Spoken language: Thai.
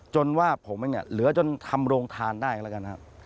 ว่าผมเองเนี่ยเหลือจนทำโรงทานได้แล้วกันครับ